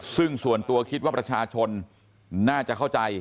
ซึ่งส่วนตัวคิดว่าประชาชนน่าจะเข้าใจ